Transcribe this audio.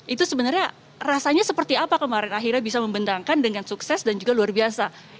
itu sebenarnya rasanya seperti apa kemarin akhirnya bisa membendangkan dengan sukses dan juga luar biasa